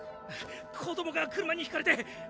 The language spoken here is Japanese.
子どもが車にひかれて。